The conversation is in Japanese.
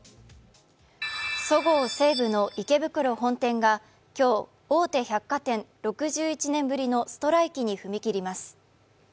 そごう・西武の池袋本店が今日、大手百貨店６１年ぶりのストライキに踏み切ります。